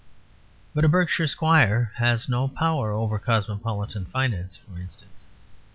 But a Berkshire squire has no power over cosmopolitan finance, for instance.